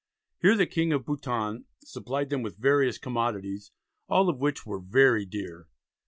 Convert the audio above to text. Here the King of Bouton supplied them with various commodities, all of which "were very dear."